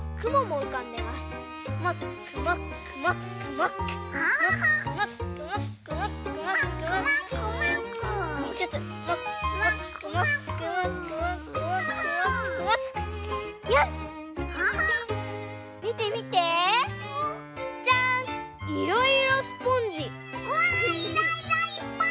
うわいろいろいっぱい！